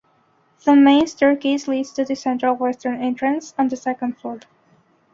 The main staircase leads to the central western entrance on the second floor.